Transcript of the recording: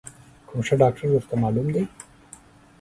کوم ښه ډاکتر درته معلوم دی؟